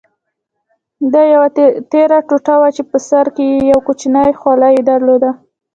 دا یوه تېره ټوټه وه چې په سر کې یې یو کوچنی خولۍ درلوده.